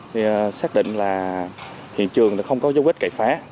thì xác định là hiện trường không có dấu vết cậy phá